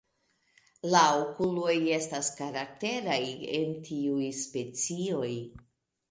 La okuloj estas karakteraj en tiuj specioj.